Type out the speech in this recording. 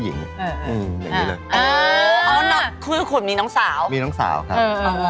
น้องไม่ยุ่งเลยน้องกลัวผม